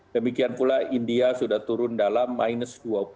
demikian pula india sudah turun dalam minus dua puluh